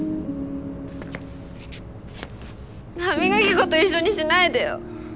歯磨き粉と一緒にしないでよ。